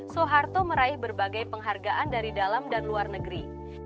soeharto meraih berbagai penghargaan dari dalam dan luar negeri